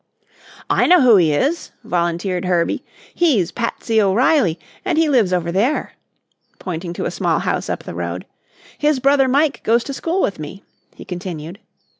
"I know who he is," volunteered Herbie. "He's Patsy O'Reilly, and he lives over there," pointing to a small house up the road. "His brother Mike goes to school with me," he continued.